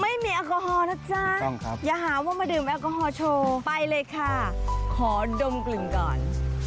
ไม่มีแอลกอฮอลนะจ๊ะอย่าหาว่ามาดื่มแอลกอฮอลโชว์ไปเลยค่ะขอดมกลิ่นก่อน